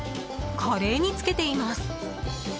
カレーにつけています。